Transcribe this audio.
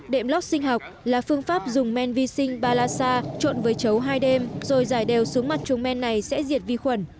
đệm lóc sinh học là phương pháp dùng men vi sinh balasa trộn với chấu hai đêm rồi giải đều xuống mặt tru men này sẽ diệt vi khuẩn